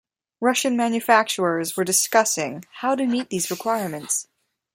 Russian manufacturers were discussing how to meet these requirements.